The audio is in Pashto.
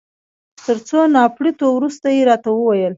تر څو نا پړيتو وروسته يې راته وویل.